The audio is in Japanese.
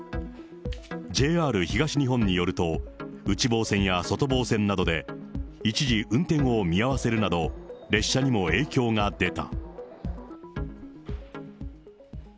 ＪＲ東日本によると、内房線や外房線などで、一時運転を見合わせるなど、列車にも影響が出た。